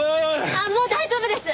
ああもう大丈夫です。